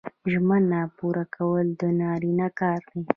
ژمنه پوره کول د نارینه کار دی